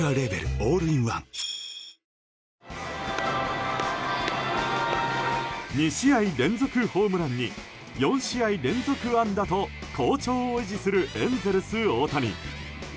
オールインワン２試合連続ホームランに４試合連続安打と好調を維持するエンゼルス、大谷。